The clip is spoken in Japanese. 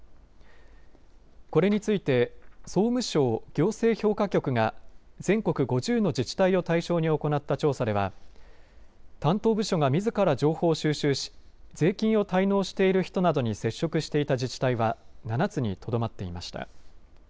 これについて総務省行政評価局が全国５０の自治体を対象に行った調査では担当部署がみずから情報を収集し税金を滞納している人などに接触していた自治体は７つにとどまっていました。